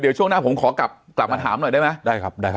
เดี๋ยวช่วงหน้าผมขอกลับมาถามหน่อยได้ไหมได้ครับได้ครับ